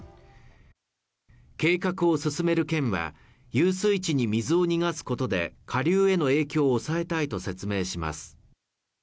計画を進める県は遊水地に水を逃がすことで下流への影響を抑えたいと説明します